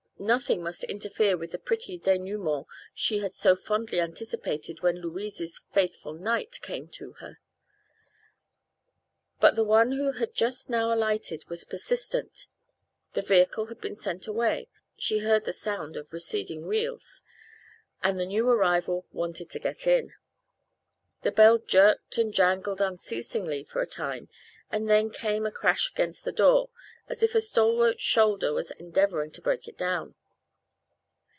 Nothing must interfere with the pretty denouement she had so fondly anticipated when Louise's faithful knight came to her. But the one who had just now alighted was persistent. The vehicle had been sent away she heard the sound of receding wheels and the new arrival wanted to get in. The bell jerked and jangled unceasingly for a time and then came a crash against the door, as if a stalwart shoulder was endeavoring to break it down.